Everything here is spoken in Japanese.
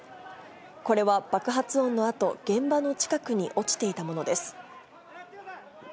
これは爆発音のあと、現場の近くに落ちていたものです。